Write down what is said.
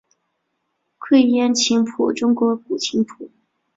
愧庵琴谱中国古琴谱。